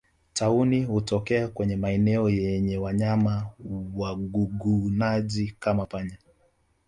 Tauni hutokea kwenye maeneo yenye wanyama wagugunaji kama panya